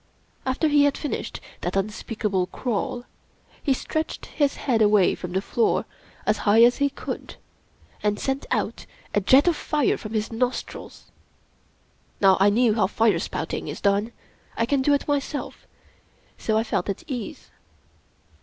After he had finished that unspeak able crawl, he stretched his head away from the floor as high as he could, and sent out a jet of fire from his nos trils. Now I knew how fire spouting is done — I can do it myself — so I felt at ease.